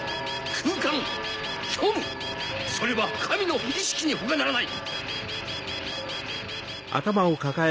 空間虚無それは神の意識に他ならない！